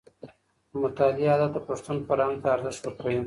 د مطالعې عادت د پښتون فرهنګ ته ارزښت ورکوي.